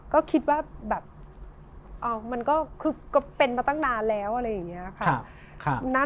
ก็คิดว่าแบบมันก็คือก็เป็นมาตั้งนานแล้วอะไรอย่างนี้ค่ะ